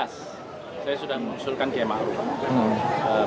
saya sudah menyusulkan kiai maruf